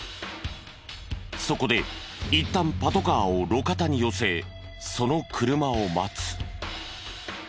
そこでいったんパトカーを路肩に寄せその車を待つ。